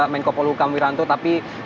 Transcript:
menko polhukam wiranto tapi